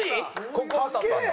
ここ当たったな。